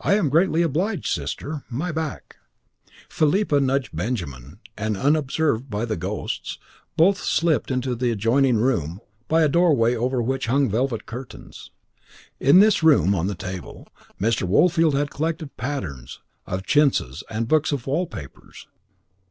"I am greatly obliged, sister. My back " Philippa nudged Benjamin, and unobserved by the ghosts, both slipped into the adjoining room by a doorway over which hung velvet curtains. In this room, on the table, Mr. Woolfield had collected patterns of chintzes and books of wall papers.